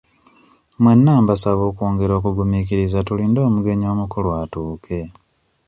Mwenna mbasaba okwongera okugumiikiriza tulinde omugenyi omukulu atuuke.